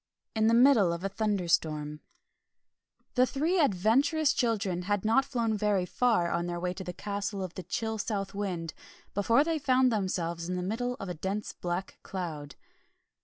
IN THE MIDDLE OF A THUNDERSTORM The three adventurous children had not flown very far on their way to the Castle of the Chill South Wind before they found themselves in the middle of a dense black cloud.